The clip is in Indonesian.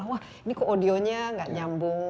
wah ini kok audio nya gak nyambung